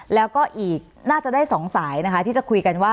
แล้วก็อีกน่าจะได้๒สายนะคะที่จะคุยกันว่า